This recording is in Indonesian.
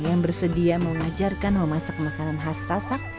yang bersedia mengajarkan memasak makanan khas sasak